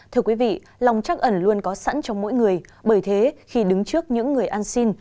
thưa quý vị lòng chắc ẩn luôn có sẵn trong mỗi người bởi thế khi đứng trước những người ăn xin